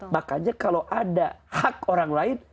makanya kalau ada hak orang lain